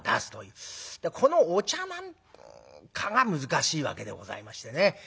このお茶なんかが難しいわけでございましてね。